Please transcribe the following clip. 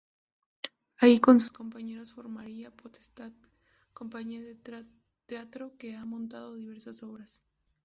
Ahí con sus compañeros, formaría "Potestad", compañía de teatro que ha montado diversas obras.